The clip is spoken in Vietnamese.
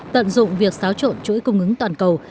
tận dụng việc xáo trộn chuỗi cung ứng toàn cầu